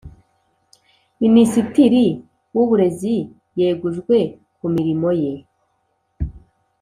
Minisitiri wuburezi yegujwe kumirimo ye